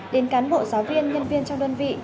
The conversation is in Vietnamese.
đến cán bộ giáo viên nhân viên trong đơn vị